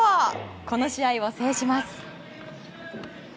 この試合を制します。